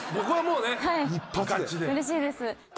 うれしいです。